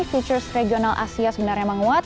futures regional asia sebenarnya menguat